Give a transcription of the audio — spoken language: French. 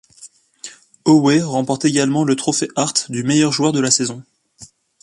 Howe remporte également le trophée Hart du meilleur joueur de la saison.